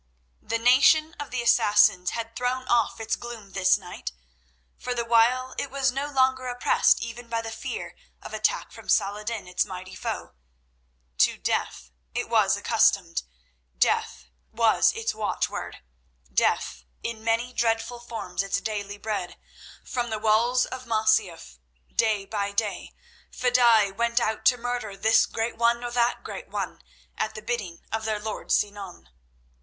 The nation of the Assassins had thrown off its gloom this night, for the while it was no longer oppressed even by the fear of attack from Saladin, its mighty foe. To death it was accustomed; death was its watchword; death in many dreadful forms its daily bread. From the walls of Masyaf, day by day, fedaïs went out to murder this great one, or that great one, at the bidding of their lord Sinan.